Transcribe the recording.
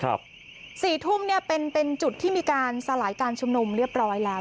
สี่ทุ่มเนี่ยเป็นเป็นจุดที่มีการสลายการชุมนุมเรียบร้อยแล้ว